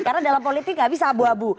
karena dalam politik gak bisa abu abu